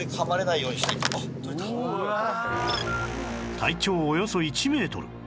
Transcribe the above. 「うわ」体長およそ１メートル